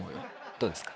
どうですか？